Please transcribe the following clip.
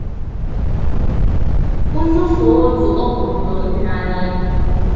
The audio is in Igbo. N'ụfọdụ obodo n'ala Igbo